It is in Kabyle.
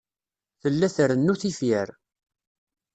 Tella trennu tifyar.